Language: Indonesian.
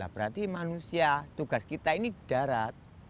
berarti manusia tugas kita ini di darat